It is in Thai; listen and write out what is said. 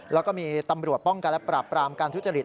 แล้วก็มีตำรวจป้องกันและปราบปรามการทุจริต